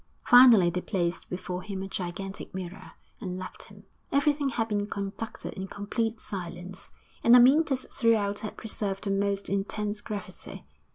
Finally they placed before him a gigantic mirror, and left him. Everything had been conducted in complete silence, and Amyntas throughout had preserved the most intense gravity.